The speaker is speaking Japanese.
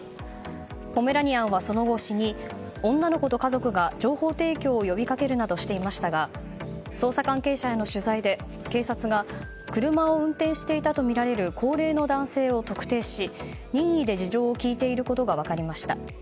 ポメラニアンは、その後死に女の子と家族が情報提供を呼びかけるなどしていましたが捜査関係者への取材で、警察が車を運転していたとみられる高齢の男性を特定し任意で事情を聴いていることが分かりました。